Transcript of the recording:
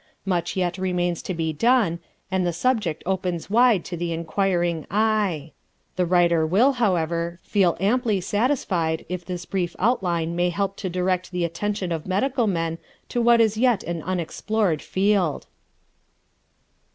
Much yet remains to be done, and the subject opens wide to the inquiring eye. The writer will, however, feel amply satisfied if this brief outline may help to direct the attention of medical men to what is yet an unexplored field.